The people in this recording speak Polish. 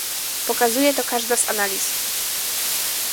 Pokazuje to każda z analiz